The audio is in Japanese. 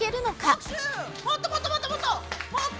もっともっともっともっと！